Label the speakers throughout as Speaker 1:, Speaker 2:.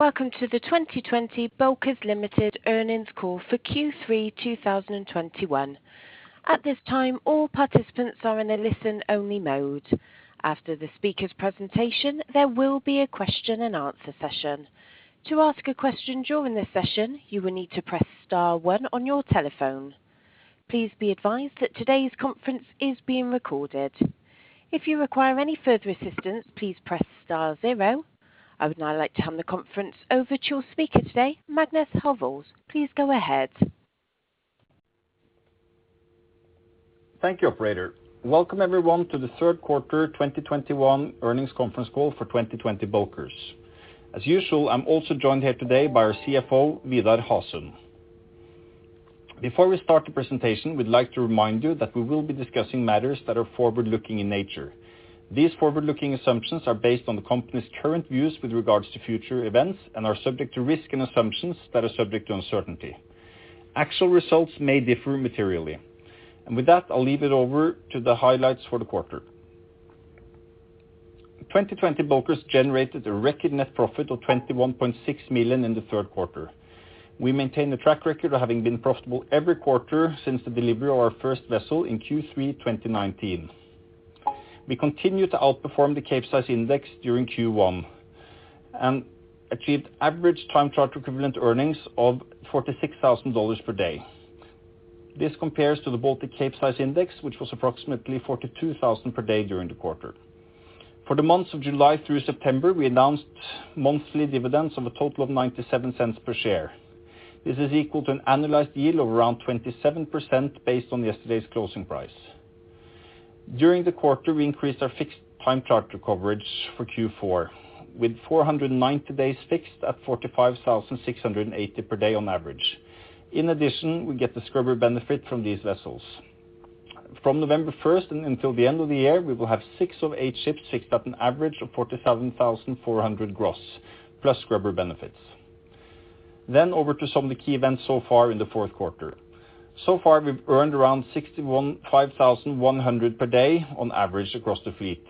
Speaker 1: Welcome to the 2020 Bulkers Ltd earnings call for Q3 2021. At this time, all participants are in a listen-only mode. After the speaker's presentation, there will be a question and answer session. To ask a question during the session, you will need to press star one on your telephone. Please be advised that today's conference is being recorded. If you require any further assistance, please press star zero. I would now like to hand the conference over to your speaker today, Magnus Halvorsen. Please go ahead.
Speaker 2: Thank you, operator. Welcome everyone to the third quarter 2021 earnings conference call for 2020 Bulkers. As usual, I'm also joined here today by our CFO, Vidar Hasund. Before we start the presentation, we'd like to remind you that we will be discussing matters that are forward-looking in nature. These forward-looking assumptions are based on the company's current views with regards to future events and are subject to risk and assumptions that are subject to uncertainty. Actual results may differ materially. With that, I'll leave it over to the highlights for the quarter. 2020 Bulkers generated a record net profit of $21.6 million in the third quarter. We maintain a track record of having been profitable every quarter since the delivery of our first vessel in Q3 2019. We continue to outperform the Capesize Index during Q1 and achieved average Time Charter Equivalent earnings of $46,000 per day. This compares to the Baltic Capesize Index, which was approximately $42,000 per day during the quarter. For the months of July through September, we announced monthly dividends of a total of $0.97 per share. This is equal to an annualized yield of around 27% based on yesterday's closing price. During the quarter, we increased our fixed time charter coverage for Q4, with 490 days fixed at $45,680 per day on average. In addition, we get the scrubber benefit from these vessels. From November 1st and until the end of the year, we will have six of eight ships fixed at an average of $47,400 gross plus scrubber benefits. Over to some of the key events so far in the fourth quarter. So far, we've earned around $65,100 per day on average across the fleet.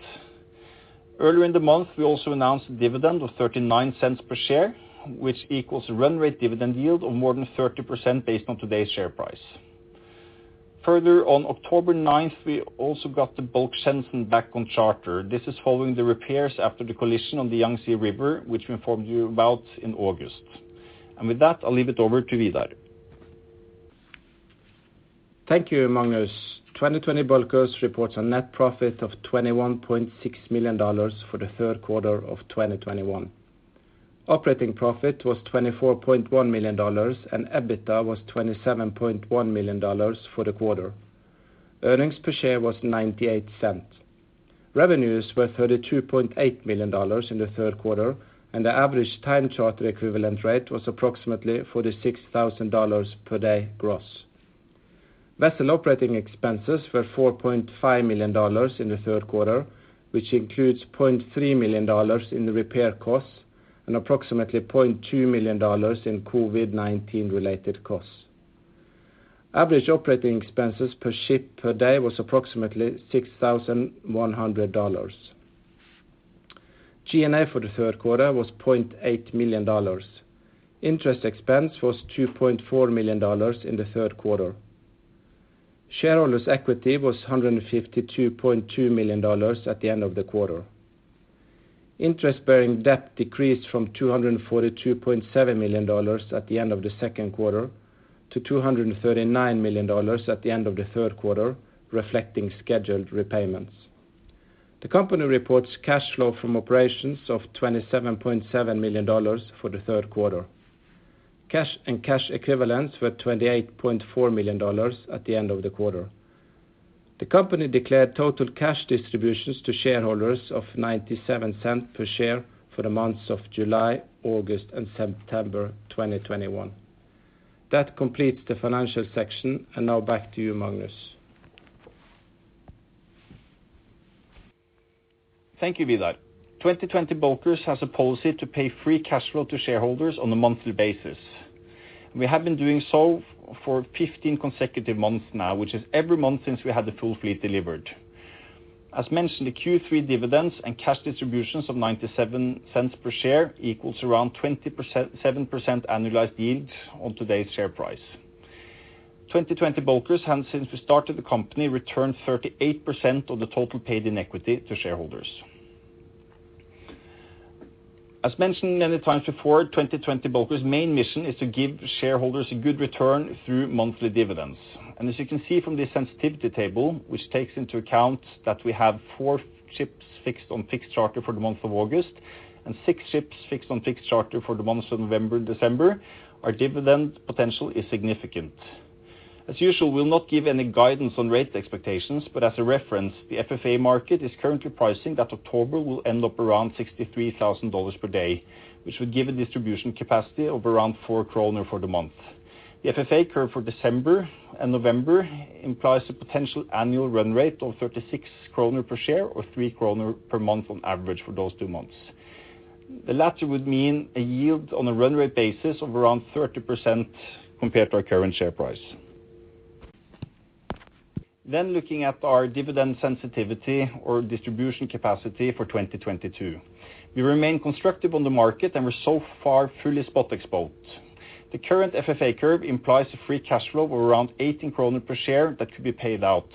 Speaker 2: Earlier in the month, we also announced a dividend of $0.39 per share, which equals a run rate dividend yield of more than 30% based on today's share price. Further, on October 9th, we also got the Bulk Shenzhen back on charter. This is following the repairs after the collision on the Yangtze River, which we informed you about in August. With that, I'll leave it over to Vidar.
Speaker 3: Thank you, Magnus. 2020 Bulkers reports a net profit of $21.6 million for the third quarter of 2021. Operating profit was $24.1 million, and EBITDA was $27.1 million for the quarter. Earnings per share was $0.98. Revenues were $32.8 million in the third quarter, and the average Time Charter Equivalent rate was approximately $46,000 per day gross. Vessel operating expenses were $4.5 million in the third quarter, which includes $0.3 million in the repair costs and approximately $0.2 million in COVID-19 related costs. Average operating expenses per ship per day was approximately $6,100. G&A for the third quarter was $0.8 million. Interest expense was $2.4 million in the third quarter. Shareholders' equity was $152.2 million at the end of the quarter. Interest-bearing debt decreased from $242.7 million at the end of the second quarter to $239 million at the end of the third quarter, reflecting scheduled repayments. The company reports cash flow from operations of $27.7 million for the third quarter. Cash and cash equivalents were $28.4 million at the end of the quarter. The company declared total cash distributions to shareholders of $0.97 per share for the months of July, August, and September 2021. That completes the financial section. Now back to you, Magnus.
Speaker 2: Thank you, Vidar. 2020 Bulkers has a policy to pay free cash flow to shareholders on a monthly basis. We have been doing so for 15 consecutive months now, which is every month since we had the full fleet delivered. As mentioned, the Q3 dividends and cash distributions of $0.97 per share equals around 27% annualized yields on today's share price. 2020 Bulkers since we started the company, returned 38% of the total paid in equity to shareholders . As mentioned many times before, 2020 Bulkers' main mission is to give shareholders a good return through monthly dividends. As you can see from this sensitivity table, which takes into account that we have four ships fixed on fixed charter for the month of August and six ships fixed on fixed charter for the months of November and December, our dividend potential is significant. As usual, we will not give any guidance on rate expectations, but as a reference, the FFA market is currently pricing that October will end up around $63,000 per day, which would give a distribution capacity of around 4 kroner for the month. The FFA curve for December and November implies a potential annual run rate of 36 kroner per share or 3 kroner per month on average for those two months. The latter would mean a yield on a run rate basis of around 30% compared to our current share price. Looking at our dividend sensitivity or distribution capacity for 2022. We remain constructive on the market, and we're so far fully spot exposed. The current FFA curve implies a free cash flow of around 18 kroner per share that could be paid out.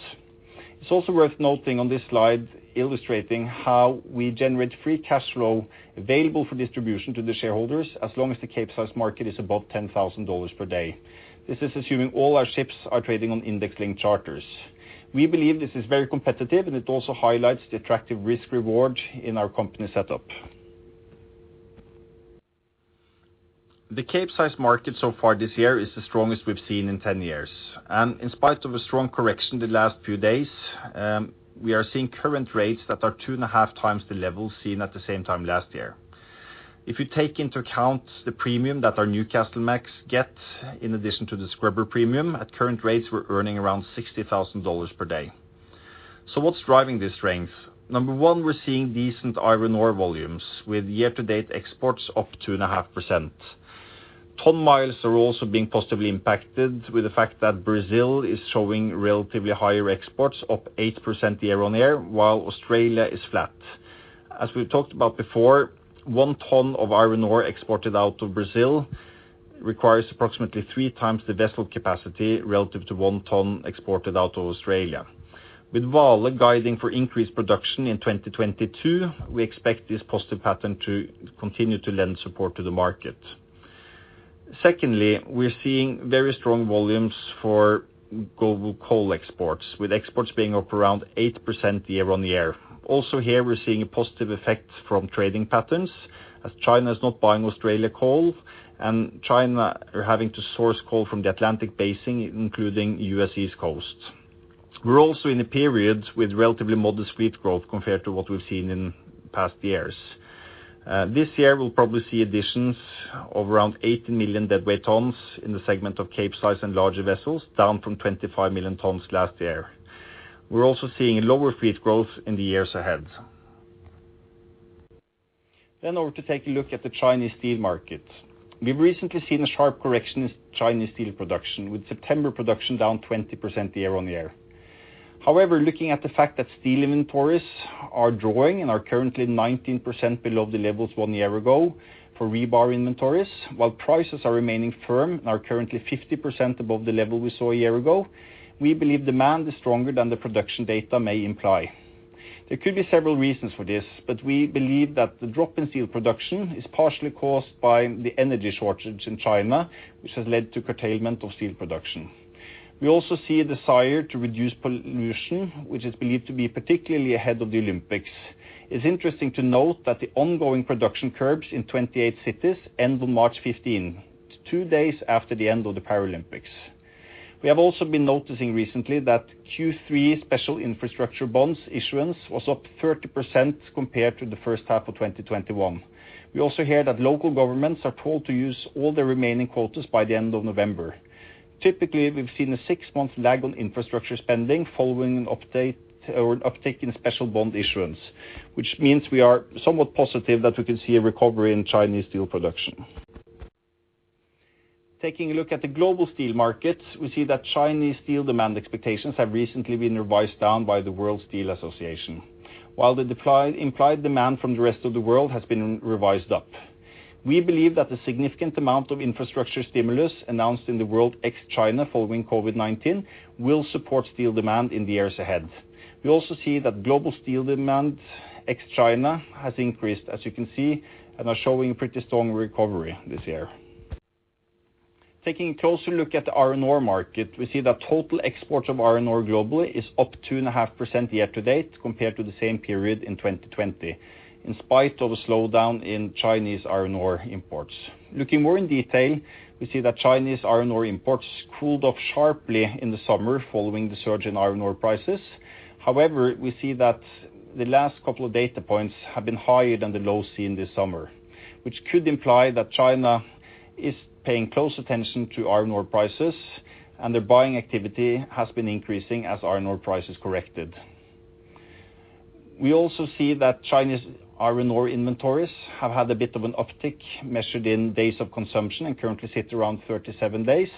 Speaker 2: It's also worth noting on this slide illustrating how we generate free cash flow available for distribution to the shareholders as long as the Capesize market is above $10,000 per day. This is assuming all our ships are trading on index-linked charters. We believe this is very competitive, and it also highlights the attractive risk-reward in our company setup. The Capesize market so far this year is the strongest we've seen in 10 years. In spite of a strong correction the last few days, we are seeing current rates that are 2.5x the level seen at the same time last year. If you take into account the premium that our Newcastlemax get in addition to the scrubber premium, at current rates, we're earning around $60,000 per day. What's driving this range? Number one, we're seeing decent iron ore volumes, with year-to-date exports up 2.5%. Ton-miles are also being positively impacted with the fact that Brazil is showing relatively higher exports, up 8% year-on-year, while Australia is flat. As we've talked about before, 1 ton of iron ore exported out of Brazil requires approximately 3x the vessel capacity relative to 1 ton exported out of Australia. With Vale guiding for increased production in 2022, we expect this positive pattern to continue to lend support to the market. Secondly, we're seeing very strong volumes for global coal exports, with exports being up around 8% year-on-year. Also here, we're seeing a positive effect from trading patterns as China is not buying Australian coal and China are having to source coal from the Atlantic Basin, including U.S. East Coast. We're also in a period with relatively modest fleet growth compared to what we've seen in past years. This year, we'll probably see additions of around 80 million deadweight tons in the segment of Capesize and larger vessels, down from 25 million tons last year. We're also seeing lower fleet growth in the years ahead. Over to take a look at the Chinese steel market. We've recently seen a sharp correction in Chinese steel production, with September production down 20% year-on-year. However, looking at the fact that steel inventories are drawing and are currently 19% below the levels one year ago for rebar inventories, while prices are remaining firm and are currently 50% above the level we saw a year ago, we believe demand is stronger than the production data may imply. There could be several reasons for this, but we believe that the drop in steel production is partially caused by the energy shortage in China, which has led to curtailment of steel production. We also see a desire to reduce pollution, which is believed to be particularly ahead of the Olympics. It's interesting to note that the ongoing production curbs in 28 cities end on March 15, two days after the end of the Paralympics. We have also been noticing recently that Q3 special infrastructure bonds issuance was up 30% compared to the first half of 2021. We also hear that local governments are told to use all their remaining quotas by the end of November. Typically, we've seen a six-month lag on infrastructure spending following an update or uptick in special infrastructure bonds issuance, which means we are somewhat positive that we can see a recovery in Chinese steel production. Taking a look at the global steel market, we see that Chinese steel demand expectations have recently been revised down by the World Steel Association, while the dry bulk-implied demand from the rest of the world has been revised up. We believe that the significant amount of infrastructure stimulus announced in the world ex-China following COVID-19 will support steel demand in the years ahead. We also see that global steel demand ex-China has increased, as you can see, and are showing pretty strong recovery this year. Taking a closer look at the iron ore market, we see that total exports of iron ore globally is up 2.5% year to date compared to the same period in 2020, in spite of a slowdown in Chinese iron ore imports. Looking more in detail, we see that Chinese iron ore imports cooled off sharply in the summer following the surge in iron ore prices. However, we see that the last couple of data points have been higher than the low seen this summer, which could imply that China is paying close attention to iron ore prices and their buying activity has been increasing as iron ore prices corrected. We also see that Chinese iron ore inventories have had a bit of an uptick measured in days of consumption and currently sit around 37 days,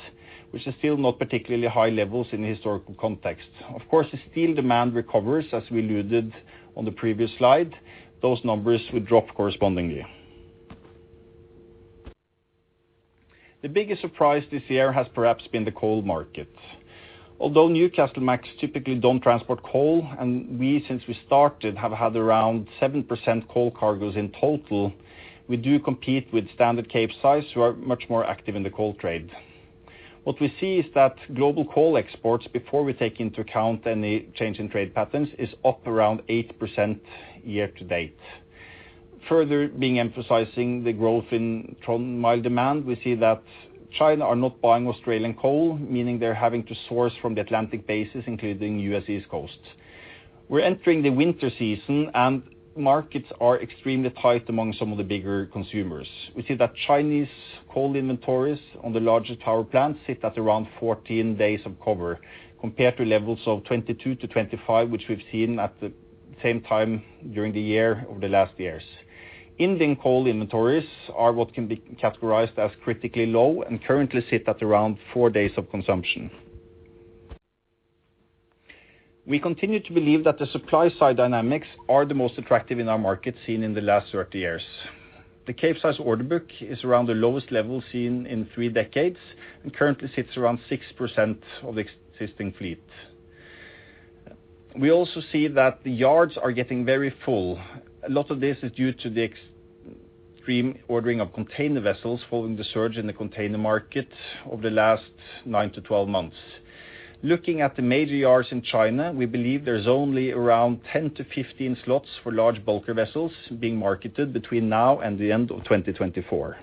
Speaker 2: which is still not particularly high levels in historical context. Of course, if steel demand recovers, as we alluded on the previous slide, those numbers would drop correspondingly. The biggest surprise this year has perhaps been the coal market. Although Newcastlemax typically don't transport coal, and we, since we started, have had around 7% coal cargoes in total, we do compete with standard Capesize who are much more active in the coal trade. What we see is that global coal exports, before we take into account any change in trade patterns, is up around 8% year to date. Further emphasizing the growth in ton-mile demand, we see that China are not buying Australian coal, meaning they're having to source from the Atlantic basin, including U.S. East Coast. We're entering the winter season and markets are extremely tight among some of the bigger consumers. We see that Chinese coal inventories on the largest power plants sit at around 14 days of cover compared to levels of 22-25, which we've seen at the same time during the year over the last years. Indian coal inventories are what can be categorized as critically low and currently sit at around four days of consumption. We continue to believe that the supply side dynamics are the most attractive in our market seen in the last 30 years. The Capesize order book is around the lowest level seen in three decades and currently sits around 6% of existing fleet. We also see that the yards are getting very full. A lot of this is due to the extreme ordering of container vessels following the surge in the container market over the last nine to 12 months. Looking at the major yards in China, we believe there is only around 10-15 slots for large bulker vessels being marketed between now and the end of 2024.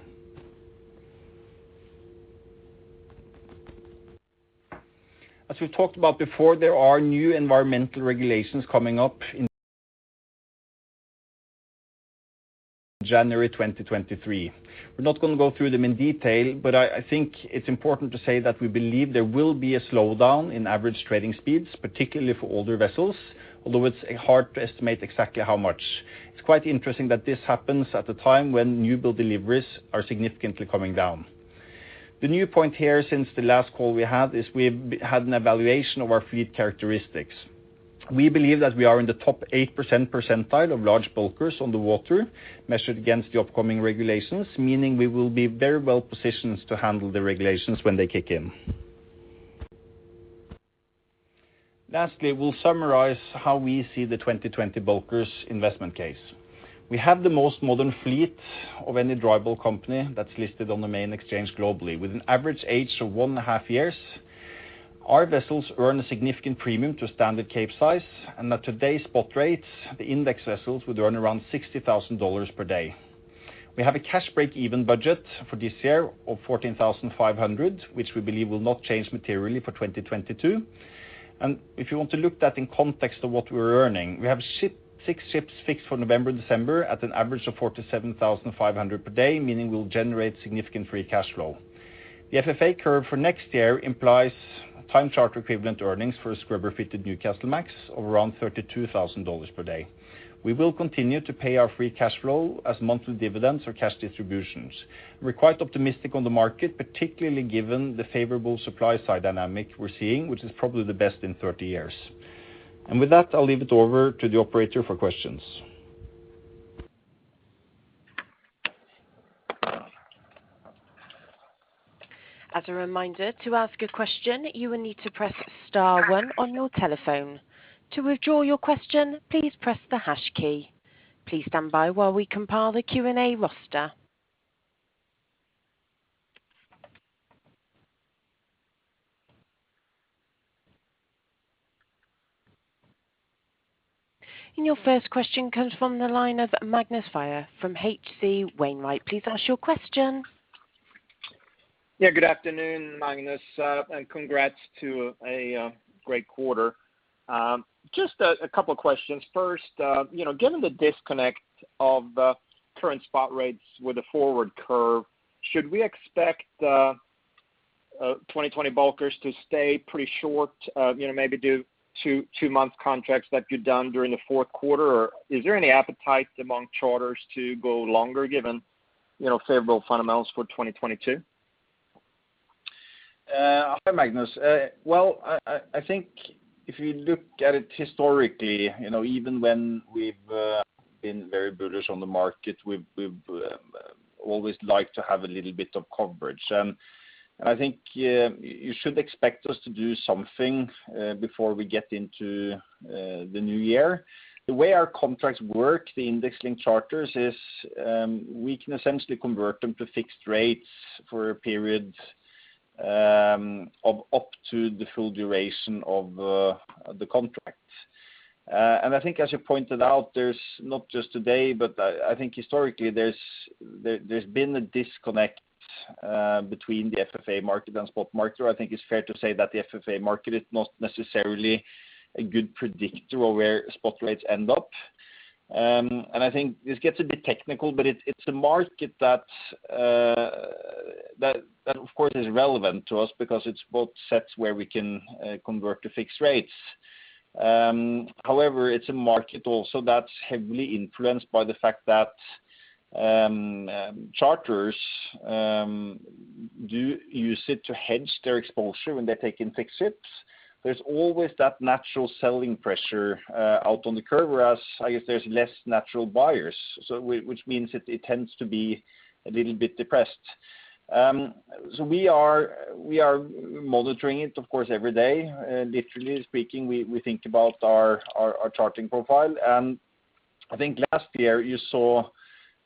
Speaker 2: As we've talked about before, there are new environmental regulations coming up in January 2023. We're not going to go through them in detail, but I think it's important to say that we believe there will be a slowdown in average trading speeds, particularly for older vessels, although it's hard to estimate exactly how much. It's quite interesting that this happens at the time when new build deliveries are significantly coming down. The new point here since the last call we had is we've had an evaluation of our fleet characteristics. We believe that we are in the top 8th percentile of large bulkers on the water measured against the upcoming regulations, meaning we will be very well-positioned to handle the regulations when they kick in. We'll summarize how we see the 2020 Bulkers investment case. We have the most modern fleet of any dry bulk company that's listed on the main exchange globally with an average age of 1.5 years. Our vessels earn a significant premium to standard Capesize, and at today's spot rates, the index vessels would earn around $60,000 per day. We have a cash break-even budget for this year of $14,500, which we believe will not change materially for 2022. If you want to look that in context of what we are earning, we have six ships fixed for November, December at an average of $47,500 per day, meaning we'll generate significant free cash flow. The FFA curve for next year implies Time Charter Equivalent earnings for a scrubber-fitted Newcastlemax of around $32,000 per day. We will continue to pay our free cash flow as monthly dividends or cash distributions. We're quite optimistic on the market, particularly given the favorable supply side dynamic we're seeing, which is probably the best in 30 years. With that, I'll leave it over to the operator for questions.
Speaker 1: As a reminder, to ask a question, you will need to press star one on your telephone. To withdraw your question, please press the hash key. Please stand by while we compile the Q&A roster. Your first question comes from the line of Magnus Fyhr from H.C. Wainwright. Please ask your question.
Speaker 4: Yeah, good afternoon, Magnus. Congrats to a great quarter. Just a couple of questions. First, you know, given the disconnect of the current spot rates with the forward curve, should we expect the 2020 Bulkers to stay pretty short, you know, maybe do two-month contracts like you've done during the fourth quarter? Or is there any appetite among charters to go longer given, you know, favorable fundamentals for 2022?
Speaker 2: Hi Magnus. Well, I think if you look at it historically, you know, even when we've been very bullish on the market, we've always liked to have a little bit of coverage. I think, yeah, you should expect us to do something before we get into the new year. The way our contracts work, the index-linked charters is, we can essentially convert them to fixed rates for a period of up to the full duration of the contract. I think as you pointed out, there's not just today, but I think historically there's been a disconnect between the FFA market and spot market. I think it's fair to say that the FFA market is not necessarily a good predictor of where spot rates end up. I think this gets a bit technical, but it's a market that's that of course is relevant to us because it's both sets where we can convert to fixed rates. However, it's a market also that's heavily influenced by the fact that charters do use it to hedge their exposure when they take in fixed ships. There's always that natural selling pressure out on the curve, whereas I guess there's less natural buyers. Which means it tends to be a little bit depressed. We are monitoring it, of course, every day. Literally speaking, we think about our chartering profile. I think last year you saw,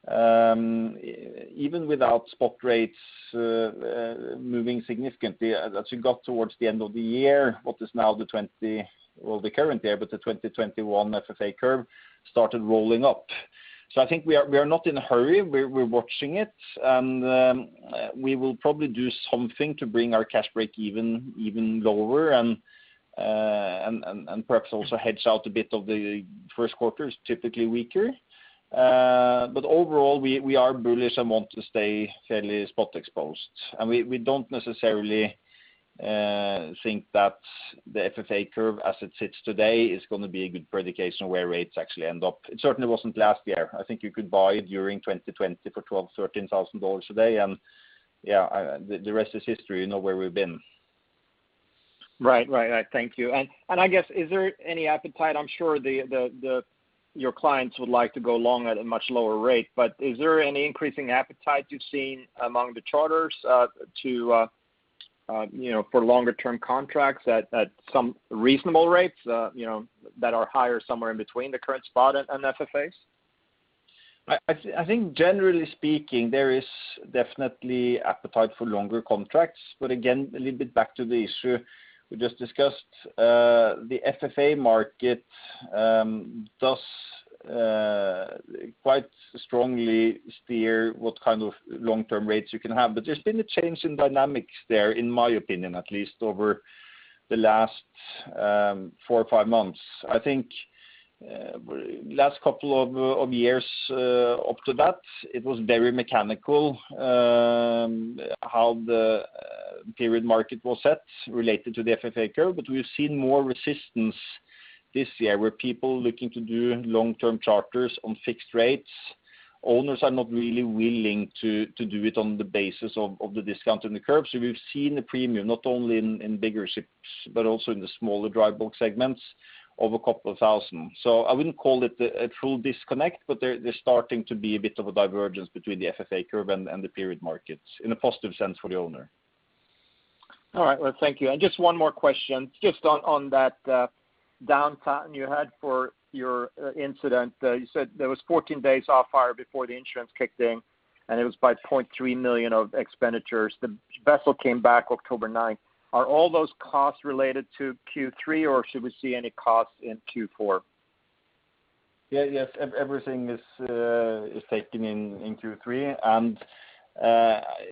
Speaker 2: even without spot rates moving significantly as you got towards the end of the year, what is now the current year. The 2021 FFA curve started rolling up. I think we are not in a hurry. We're watching it, and we will probably do something to bring our cash breakeven even lower and perhaps also hedge out a bit of the first quarter, which is typically weaker. Overall, we are bullish and want to stay fairly spot exposed. We don't necessarily think that the FFA curve as it sits today is gonna be a good prediction of where rates actually end up. It certainly wasn't last year. I think you could buy during 2020 for $12,000-$13,000 a day and, yeah, the rest is history. You know where we've been.
Speaker 4: Right. Thank you. I guess, is there any appetite—I'm sure your clients would like to go long at a much lower rate, but is there any increasing appetite you've seen among the charters, you know, for longer term contracts at some reasonable rates, you know, that are higher somewhere in between the current spot and FFAs?
Speaker 2: I think generally speaking, there is definitely appetite for longer contracts. Again, a little bit back to the issue we just discussed, the FFA market does quite strongly steer what kind of long-term rates you can have. There's been a change in dynamics there, in my opinion at least, over the last four or five months. I think last couple of years up to that, it was very mechanical how the period market was set related to the FFA curve. We've seen more resistance this year where people looking to do long-term charters on fixed rates. Owners are not really willing to do it on the basis of the discount in the curve. We've seen a premium not only in bigger ships, but also in the smaller dry bulk segments of a couple of thousand. I wouldn't call it a full disconnect, but there's starting to be a bit of a divergence between the FFA curve and the period markets in a positive sense for the owner.
Speaker 4: All right. Well, thank you. Just one more question just on that downtime you had for your incident. You said there was 14 days off hire before the insurance kicked in, and it was $0.3 million of expenditures. The vessel came back October 9th. Are all those costs related to Q3, or should we see any costs in Q4?
Speaker 2: Everything is taken in Q3.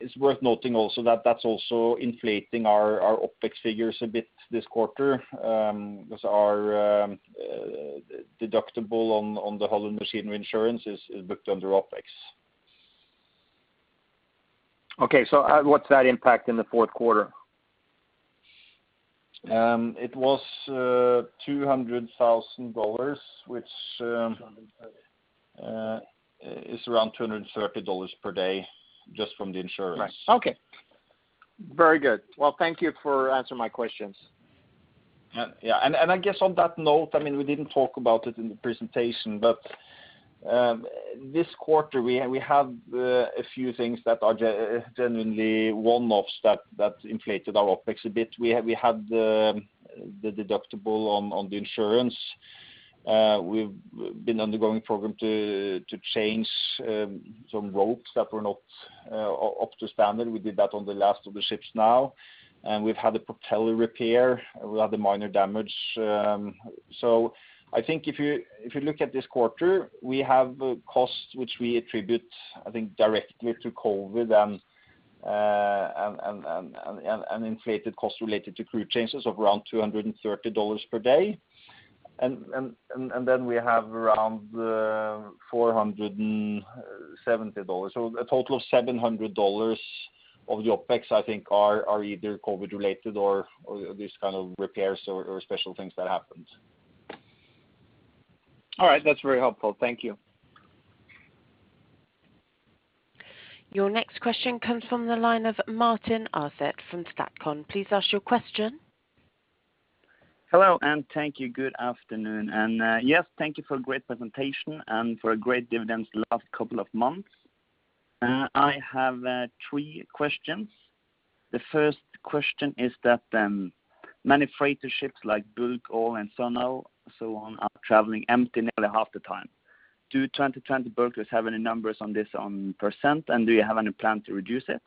Speaker 2: It's worth noting also that that's also inflating our OpEx figures a bit this quarter, because our deductible on the hull and machinery insurance is booked under OpEx.
Speaker 4: Okay. What's that impact in the fourth quarter?
Speaker 2: It was $200,000 which.
Speaker 3: $230.
Speaker 2: Is around $230 per day just from the insurance.
Speaker 4: Right. Okay. Very good. Well, thank you for answering my questions.
Speaker 2: Yeah. Yeah. I guess on that note, I mean, we didn't talk about it in the presentation, but this quarter we have a few things that are genuinely one-offs that inflated our OpEx a bit. We had the deductible on the insurance. We've been undergoing a program to change some ropes that were not up to standard. We did that on the last of the ships now. We've had a propeller repair. We had the minor damage. I think if you look at this quarter, we have costs which we attribute, I think, directly to COVID and inflated costs related to crew changes of around $230 per day. We have around $470. A total of $700 of the OpEx I think are either COVID related or these kind of repairs or special things that happened.
Speaker 4: All right. That's very helpful. Thank you.
Speaker 1: Your next question comes from the line of [Martin Aaset] from Statcon. Please ask your question.
Speaker 5: Hello, and thank you. Good afternoon. Yes, thank you for a great presentation and for great dividends the last couple of months. I have three questions. The first question is that many freighter ships like bulk, ore, and coal and so on are traveling empty nearly half the time. Do 2020 Bulkers have any numbers on this in percent, and do you have any plan to reduce it?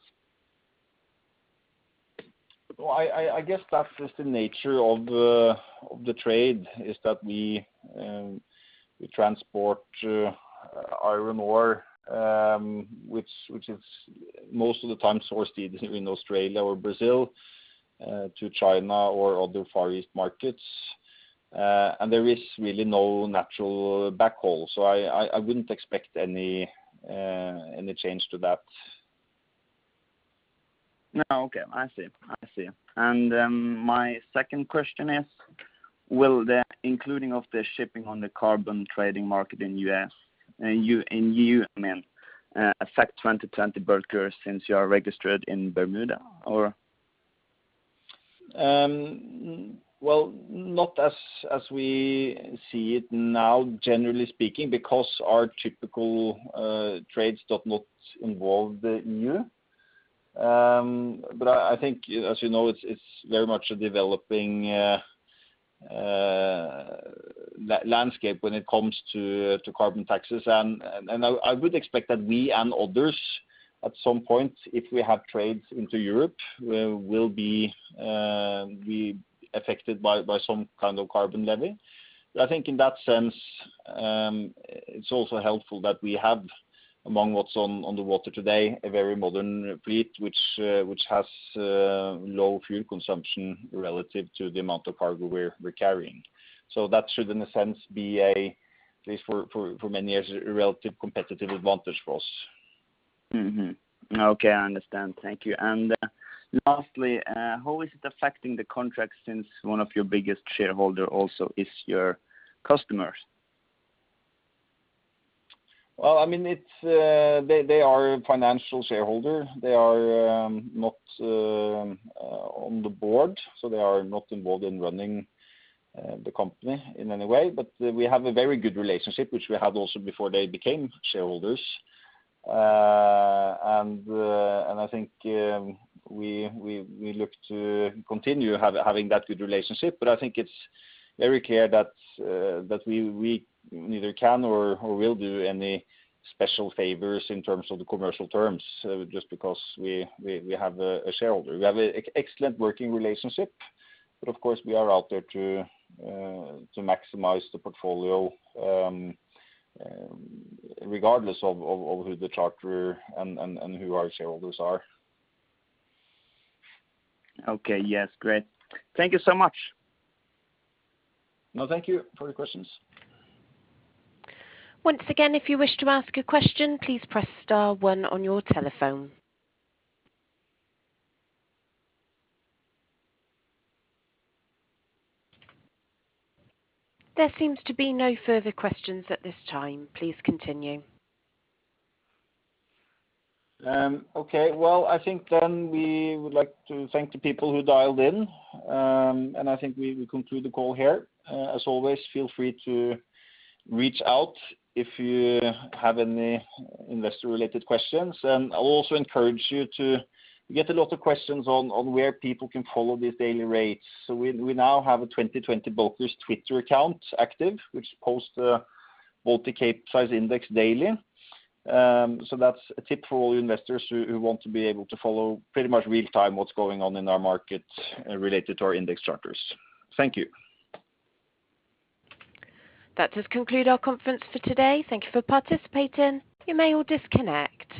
Speaker 2: Well, I guess that's just the nature of the trade, is that we transport iron ore, which is most of the time sourced either in Australia or Brazil, to China or other Far East markets. There is really no natural backhaul. I wouldn't expect any change to that.
Speaker 5: No. Okay. I see. My second question is, will the including of the shipping on the carbon trading market in E.U., I mean, affect 2020 Bulkers since you are registered in Bermuda or?
Speaker 2: Well, not as we see it now, generally speaking, because our typical trades do not involve the E.U. I think as you know, it's very much a developing landscape when it comes to carbon taxes. I would expect that we and others at some point, if we have trades into Europe, will be affected by some kind of carbon levy. I think in that sense, it's also helpful that we have, among what's on the water today, a very modern fleet which has low fuel consumption relative to the amount of cargo we're carrying. That should, in a sense, be at least for many years a relative competitive advantage for us.
Speaker 5: Mm-hmm. Okay, I understand. Thank you. Lastly, how is it affecting the contract since one of your biggest shareholder also is your customers?
Speaker 2: Well, I mean, it's they are a financial shareholder. They are not on the board, so they are not involved in running the company in any way. We have a very good relationship which we had also before they became shareholders. I think we look to continue having that good relationship. I think it's very clear that we neither can or will do any special favors in terms of the commercial terms just because we have a shareholder. We have a excellent working relationship, but of course we are out there to maximize the portfolio regardless of who the charterer and who our shareholders are.
Speaker 5: Okay, yes. Great. Thank you so much.
Speaker 2: No, thank you for your questions.
Speaker 1: Once again, if you wish to ask a question, please press star one on your telephone. There seems to be no further questions at this time. Please continue.
Speaker 2: Okay. Well, I think we would like to thank the people who dialed in, and I think we will conclude the call here. As always, feel free to reach out if you have any investor-related questions. I'll also encourage you to. We get a lot of questions on where people can follow these daily rates. We now have a 2020 Bulkers Twitter account active which posts the Baltic Capesize Index daily. That's a tip for all investors who want to be able to follow pretty much real-time what's going on in our market, related to our index charters. Thank you.
Speaker 1: That does conclude our conference for today. Thank you for participating. You may all disconnect.